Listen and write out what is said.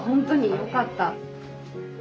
よかった。